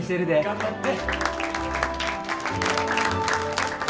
頑張って！